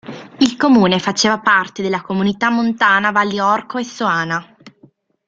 Il comune faceva parte della Comunità Montana Valli Orco e Soana.